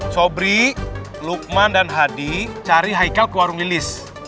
sobri lukman dan hadi cari haikal ke warung nilis